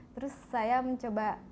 terus saya mencoba